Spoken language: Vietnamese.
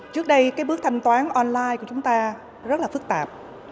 trước đây cái bước thanh toán online của chúng ta rất là phức tạp